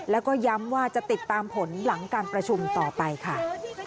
แล้วก็ย้ำว่าจะติดตามผลหลังการประชุมต่อไปค่ะ